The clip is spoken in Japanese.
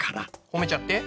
ほめちゃって。